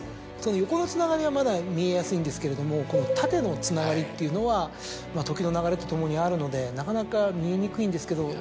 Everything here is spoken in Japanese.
横のつながりはまだ見えやすいんですけれども縦のつながりっていうのは時の流れとともにあるのでなかなか見えにくいんですけど。